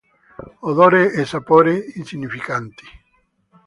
Odore e sapore insignificanti.